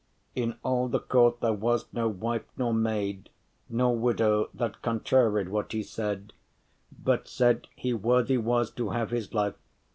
” In all the court there was no wife nor maid Nor widow, that contraried what he said, But said, he worthy was to have his life.